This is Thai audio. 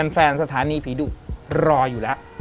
สถานีผีดุรออยู่แล้ว